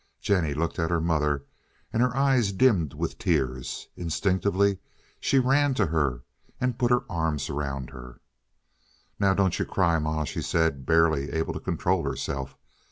Jennie looked at her mother, and her eyes dimmed with tears. Instinctively she ran to her and put her arms around her. "Now, don't you cry, ma," she said, barely able to control herself.